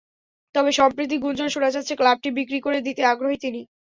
তবে সম্প্রতি গুঞ্জন শোনা যাচ্ছে, ক্লাবটি বিক্রি করে দিতে আগ্রহী তিনি।